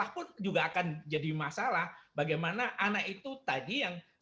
memang pantu pasti lev mengandalkan agar dapat lebih jelas selangkah stabilisasi bertukar poo ke anggotabody dialogues